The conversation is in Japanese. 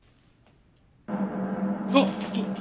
あっ！